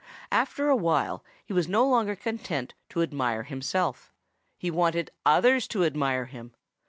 After a while he was no longer content to admire himself. He wanted others to admire him.